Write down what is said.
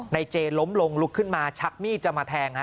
เจล้มลงลุกขึ้นมาชักมีดจะมาแทง